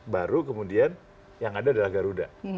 baru kemudian yang ada adalah garuda